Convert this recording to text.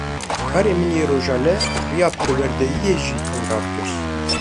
Karên min yên rojane, riya perwerdehiyê jî tengav dikir